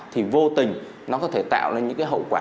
thì vô tình nó có thể tạo nên những cái hậu quả